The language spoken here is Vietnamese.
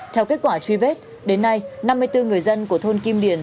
theo kết quả truy vết đến nay năm mươi bốn người dân của thôn kim điền